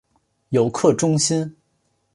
游客中心